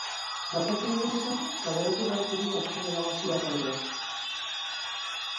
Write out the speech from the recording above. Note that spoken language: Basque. Datozen egunotan kaleratu beharko du azken erabakia epaileak.